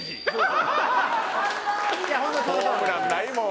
ホームランないもん